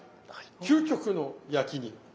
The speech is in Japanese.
究極の焼きに。